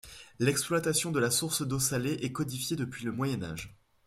L'exploitation de la source d'eau salée est codifiée depuis le Moyen Âge.